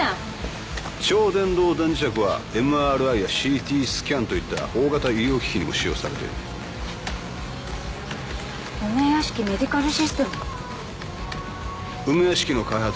超伝導電磁石はＭＲＩやＣＴスキャンといった大型医療機器にも使用されている梅屋敷メディカルシステム梅屋敷の開発